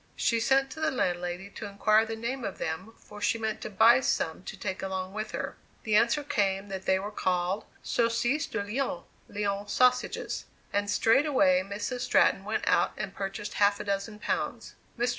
She sent to the landlady to inquire the name of them, for she meant to buy some to take along with her. The answer came that they were called "saucisse de Lyon," (Lyons sausages,) and straightway Mrs. Stratton went out and purchased half a dozen pounds. Mr.